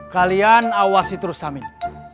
kalian awasi terus samin